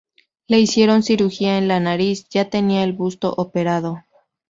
Le hicieron cirugía en la nariz, ya tenía el busto operado.